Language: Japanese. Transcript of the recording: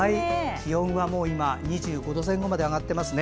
気温は２５度前後まで上がっていますね。